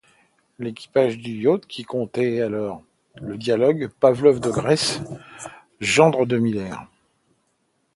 L’équipage du yacht comptait alors le diadoque Pavlos de Grèce, gendre de Miller.